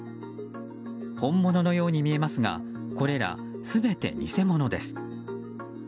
本物のように見えますがこれら全て偽物です。